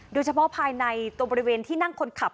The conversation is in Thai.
โดยเฉพาะภายในตัวบริเวณที่นั่งคนขับ